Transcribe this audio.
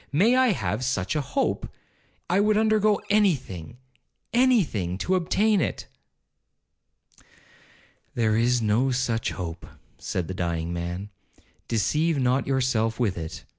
May I have such a hope! I would undergo any thing—any thing, to obtain it.' 'There is no such hope,' said the dying man, 'deceive not yourself with it.